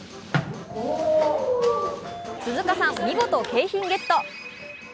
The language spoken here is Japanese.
鈴鹿さん、見事景品ゲット！